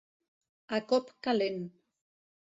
A cop calent.